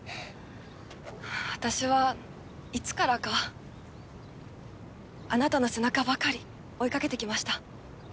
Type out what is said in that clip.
私はいつからかあなたの背中ばかり追い掛けてきました。